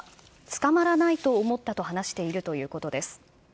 捕まらないと思ったと話しているということです。